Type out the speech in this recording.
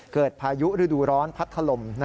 เกิดพายุฤดูร้อนพัดขลม